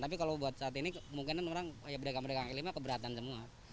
tapi kalau buat saat ini kemungkinan orang ya pedagang pedagang kelima keberatan semua